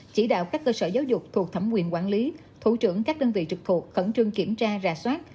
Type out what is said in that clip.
chỉ đạo các cơ sở giáo dục thuộc thẩm quyền quản lý thủ trưởng các đơn vị trực thuộc khẩn trương kiểm tra rà soát